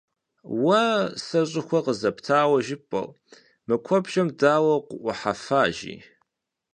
- Уэ сэ щӀыхуэ къызэптауэ жыпӀэу, мы куэбжэм дауэ укъыӀухьэфа, – жи.